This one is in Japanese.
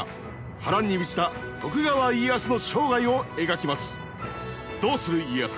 波乱に満ちた徳川家康の生涯を描きます。